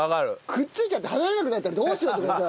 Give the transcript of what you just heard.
くっついちゃって離れなくなったらどうしよう！とかさ。